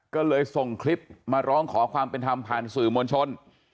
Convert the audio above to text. ก็เลยส่งคลิปมาร้องขอความเป็นธรรมผ่านสื่อมวลชน